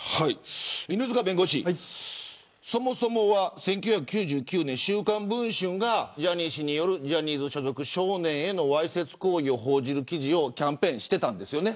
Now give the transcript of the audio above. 犬塚弁護士、そもそもは１９９９年、週刊文春がジャニー氏によるジャニーズ所属少年へのわいせつ行為を報じる記事をキャンペーンしてましたよね。